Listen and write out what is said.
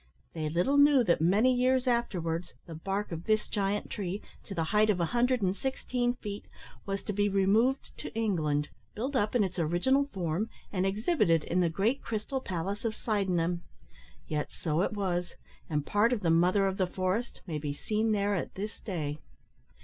They little knew that, many years afterwards, the bark of this giant tree, to the height of a hundred and sixteen feet, was to be removed to England, built up in its original form, and exhibited in the great Crystal Palace of Sydenham; yet so it was, and part of the "mother of the forest" may be seen there at this day.